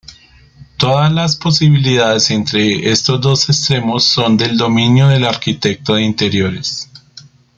Todas las posibilidades entre estos dos extremos son del dominio del arquitecto de interiores.